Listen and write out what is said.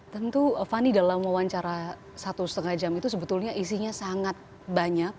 tentu fani dalam wawancara satu setengah jam itu sebetulnya isinya sangat banyak